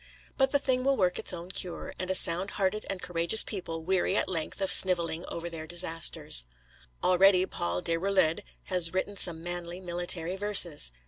But the thing will work its own cure, and a sound hearted and courageous people weary at length of snivelling over their disasters. Already Paul Déroulède has written some manly military verses.